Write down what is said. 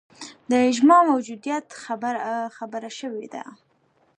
د اجماع موجودیت خبره شوې ده